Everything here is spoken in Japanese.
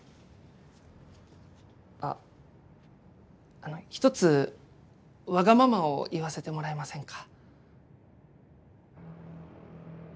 あっあの一つわがままを言わせてもらえませんか？